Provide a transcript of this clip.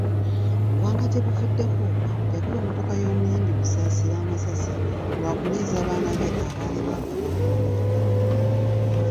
Gwanga gyebuvuddeko yakuba emmotoka y'omuyimbi Kusasira amasasi lwakunyiiza baana be abaali baakava mu America.